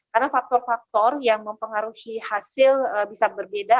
karena faktor faktor yang mempengaruhi hasil bisa berbeda